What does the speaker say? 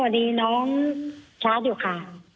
ดีน้องชาร์จอยู่ค่ะ